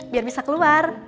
biar bisa keluar